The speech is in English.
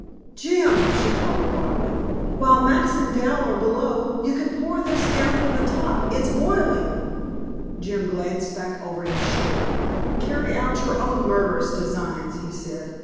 "Jim," she called wildly. "While Max and Dal are below, you can pour this down from the top. It's boiling." Jim glanced back over his shoulder. "Carry out your own murderous designs," he said.